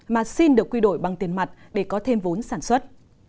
mà xin được quy đổi bằng tiền mặt để có thêm vốn sản xuất